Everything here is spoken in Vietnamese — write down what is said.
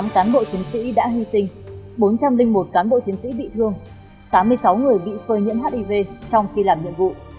một mươi tám cán bộ chiến sĩ đã hy sinh bốn trăm linh một cán bộ chiến sĩ bị thương tám mươi sáu người bị phơi nhiễm hiv trong khi làm nhiệm vụ